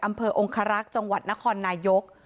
อำเภอองคารักษ์จังหวัดนครนายก